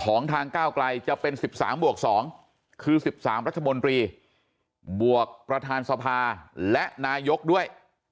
ของทางก้าวไกลจะเป็น๑๓บวก๒คือ๑๓รัฐมนตรีบวกประธานสภาและนายกด้วย